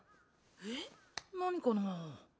えっ何かなぁ？